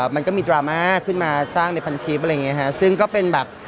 มันก็มีดราม่าขึ้นมาสร้างในพันทิพย์อะไรอย่างเงี้ฮะซึ่งก็เป็นแบบ